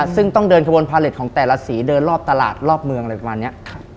ซึ่งต้องเดินขบวนพาเล็ตของแต่ละสีเดินรอบตลาดรอบเมืองอะไรประมาณนี้